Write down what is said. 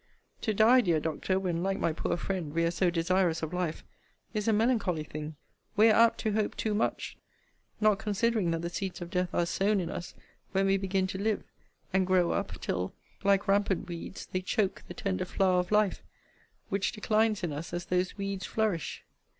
To die, dear Doctor, when, like my poor friend, we are so desirous of life, is a melancholy thing. We are apt to hope too much, not considering that the seeds of death are sown in us when we begin to live, and grow up, till, like rampant weeds, they choke the tender flower of life; which declines in us as those weeds flourish.